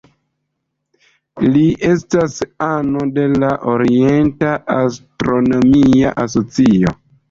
Li estas ano de la Orienta Astronomia Asocio.